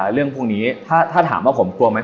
เรื่องพวกนี้ถ้าถามว่าผมกลัวไหม